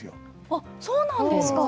あっそうなんですか。